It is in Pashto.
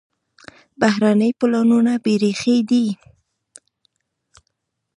بهرني پلانونه بېریښې دي.